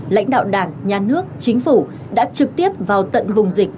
lãnh đạo đảng nhà nước chính phủ đã trực tiếp vào tận vùng dịch